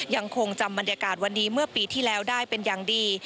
ยังคงจำบรรยากาศวันนี้เมื่อปีที่แล้วได้เป็นอย่างดี